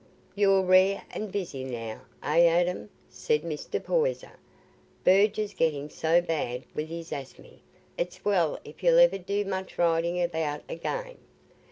"You're rare and busy now—eh, Adam?" said Mr. Poyser. "Burge's getting so bad wi' his asthmy, it's well if he'll ever do much riding about again."